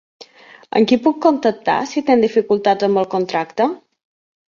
Amb qui puc contactar si tinc dificultats amb el contracte?